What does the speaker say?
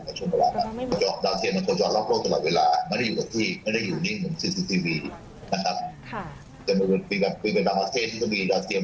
เป็นผู้ผู้สังเกียจงต้องชดคำว่าดาวเทียมที่ก็จะมีดาวเทียมของทั้งกลาง